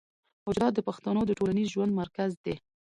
حجره د پښتنو د ټولنیز ژوند مرکز دی.